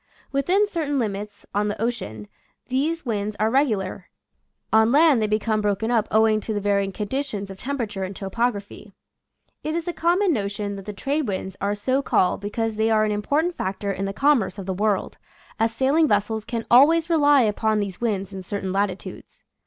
Within certain limits, on the ocean, these winds are regular; on land they become broken up owing to the varying conditions of temperature and topography. It is a com mon notion that the trade winds are so called because they are an important factor in the {^\, Original from :{<~ UNIVERSITY OF WISCONSIN 148 nature's /Piracies. commerce of the world, as sailing vessels can always rely upon these winds in certain lati tudes.